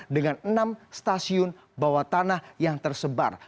dengan enam stasiun bawah tanah yang tersebar